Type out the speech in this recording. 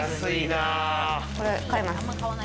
これ買います。